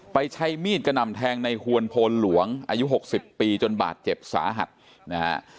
ใช้มีดกระหน่ำแทงในหวนโพนหลวงอายุ๖๐ปีจนบาดเจ็บสาหัสนะฮะ